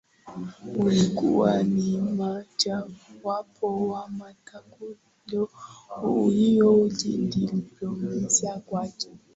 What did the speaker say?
Ilikuwa ni mojawapo ya matukio muhimu kidiplomasia kwake